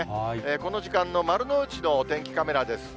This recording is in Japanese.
この時間の丸の内のお天気カメラです。